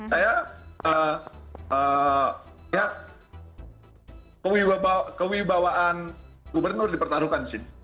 saya ya kewibawaan gubernur dipertaruhkan sih